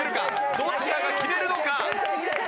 どちらが決めるのか？